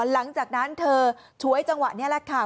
หลังจากนั้นเธอฉวยจังหวะนี้แหละค่ะ